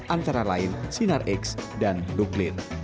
antara lain sinar x dan nuklir